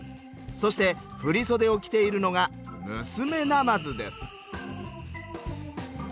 そして振り袖を着ているのが娘なまずです。